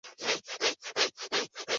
没一家敢提续航力